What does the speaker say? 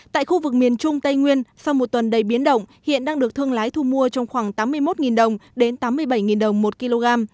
tại khu vực miền trung tây nguyên sau một tuần đầy biến động hiện đang được thương lái thu mua trong khoảng tám mươi một đồng đến tám mươi bảy đồng một kg